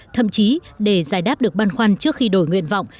thậm chí để giải đáp được băn khoăn trước khi đổi nguyện vọng